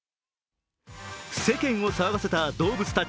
世間を騒がせた動物たち。